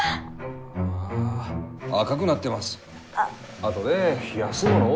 あとで冷やすものを。